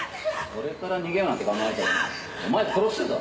俺から逃げようなんて考えたらなお前殺すぞ！